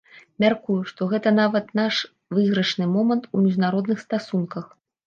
Мяркую, што гэта нават наш выйгрышны момант у міжнародных стасунках.